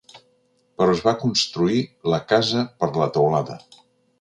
Però es va construir la casa per la teulada.